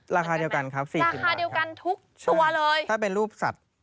ราคาเดียวกันครับสิราคาเดียวกันทุกตัวเลยถ้าเป็นรูปสัตว์